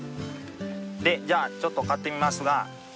でじゃあちょっと刈ってみますが。